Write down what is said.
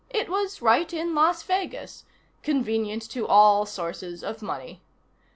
It was right in Las Vegas convenient to all sources of money.